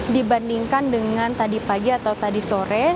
dibandingkan dengan tadi pagi atau tadi sore